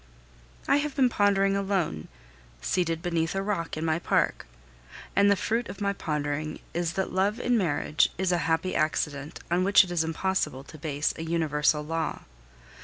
I have been pondering alone, seated beneath a rock in my park, and the fruit of my pondering is that love in marriage is a happy accident on which it is impossible to base a universal law.